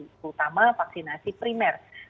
terutama vaksinasi primer